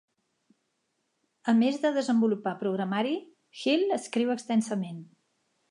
A més de desenvolupar programari, Hill escriu extensament.